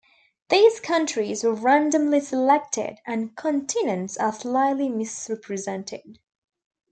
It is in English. These countries were randomly selected, and continents are slightly misrepresented.